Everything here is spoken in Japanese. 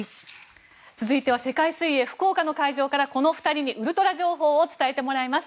続いては世界水泳福岡の会場からこの２人にウルトラ情報を伝えてもらいます。